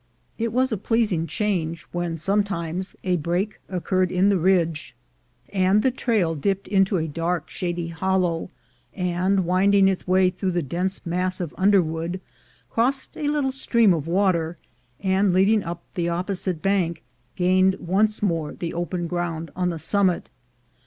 It was a pleasing change when sometimes a break occurred in the ridge, and the trail dipped into a dark shady hollow, and, winding its way through the dense mass of underwood, crossed a little stream of water, and, leading up the opposite bank, gained once more the open ground on the summit.